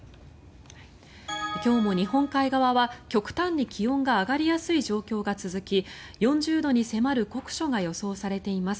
今日も日本海側は極端に気温が上がりやすい状況が続き４０度に迫る酷暑が予想されています。